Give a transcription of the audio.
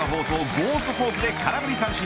ゴーストフォークで空振り三振。